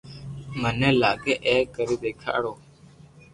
مني لاگي اپي ڪري ديکاڙيو